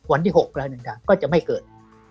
วันที่๖แล้วนึงค่ะก็จะไม่เกิด